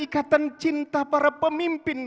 kata cinta para pemimpin